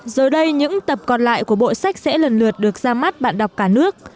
giờ đây những tập còn lại của bộ sách sẽ lần lượt được ra mắt bạn đọc cả nước